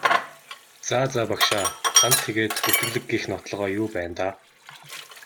За за багшаа танд тэгээд гүтгэлэг гэх нотолгоо юу байна даа?